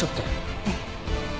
ええ。